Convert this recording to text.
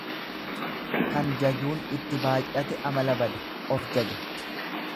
Kan jajuun itti baay'ate amala bada, of jaja.